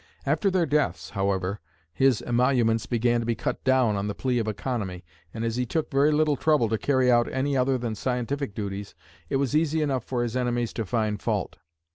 After their deaths, however, his emoluments began to be cut down on the plea of economy, and as he took very little trouble to carry out any other than scientific duties it was easy enough for his enemies to find fault.